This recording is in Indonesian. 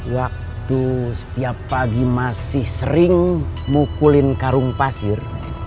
waktu setiap pagi masih sering mukulin karung pasir